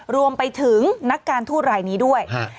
รวมไปถึงนักการทูตรายนี้ด้วย